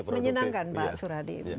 menyenangkan pak suradi